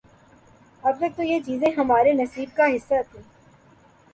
اب تک تو یہ چیزیں ہمارے نصیب کا حصہ تھیں۔